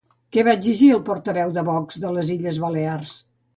Què va exigir el portaveu de Vox de les Illes Balears?